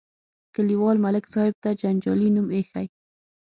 کلیوالو ملک صاحب ته جنجالي نوم ایښی.